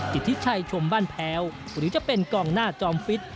ทิศิชัยชมบ้านแพ้วหรือจะเป็นกองหน้าจอมฟิต